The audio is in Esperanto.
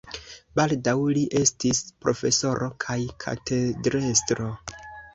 Baldaŭ li estis profesoro kaj katedrestro.